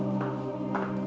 tentang apa yang terjadi